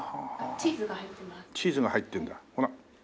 チーズが入ってるんだほら。